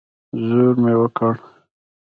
زور مې وکړ.